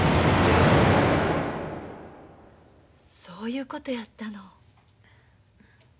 そういうことやったの。